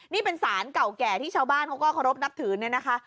นี่เป็นสารเก่าแก่ที่ชาวบ้านเขาก็เคารพนับถือเนี่ยนะคะ